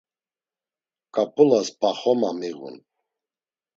Ǩap̌ulas p̌axoma miğun.